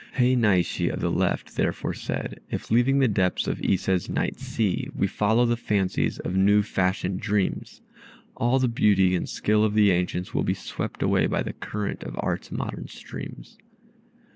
Hei Naishi, of the left, therefore said, "If leaving the depths of Ise's night sea, We follow the fancies of new fashioned dreams, All the beauty and skill of the ancients will be Swept away by the current of art's modern streams.